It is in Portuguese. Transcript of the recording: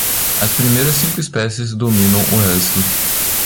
As primeiras cinco espécies dominam o resto.